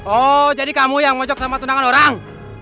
oh jadi kamu yang mocok sama tunangan orang